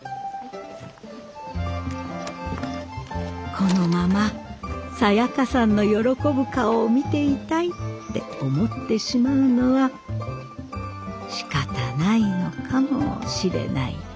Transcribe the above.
このままサヤカさんの喜ぶ顔を見ていたいって思ってしまうのはしかたないのかもしれないね。